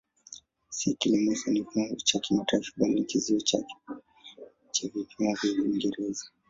Si kipimo sanifu cha kimataifa bali ni kizio cha vipimo vya Uingereza.